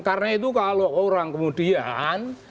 karena itu kalau orang kemudian